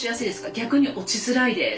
逆に落ちづらいです。